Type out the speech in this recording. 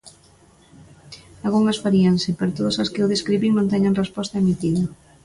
Algunhas faríanse, pero todas as que eu describín non teñen resposta emitida.